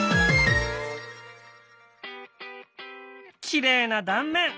きれいな断面。